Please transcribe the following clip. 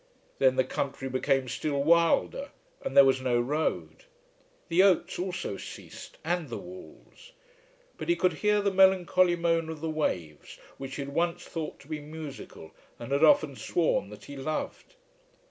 Then the country became still wilder, and there was no road. The oats also ceased, and the walls. But he could hear the melancholy moan of the waves, which he had once thought to be musical and had often sworn that he loved.